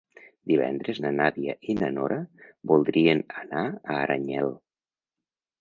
Divendres na Nàdia i na Nora voldrien anar a Aranyel.